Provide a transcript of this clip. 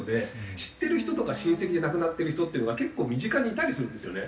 知ってる人とか親戚で亡くなっている人っていうのが結構身近にいたりするんですよね。